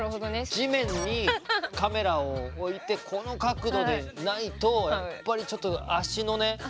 地面にカメラを置いてこの角度でないとやっぱりちょっと足のね。